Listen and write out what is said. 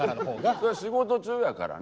それは仕事中やからね。